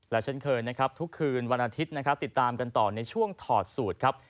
และเช่นเคยนะครับทุกคืนวันอาทิตย์นะครับติดตามกันต่อในช่วงถอดสูตรครับ